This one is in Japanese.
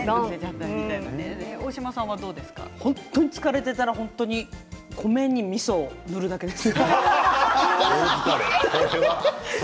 本当に疲れていたら米にみそを塗るだけです。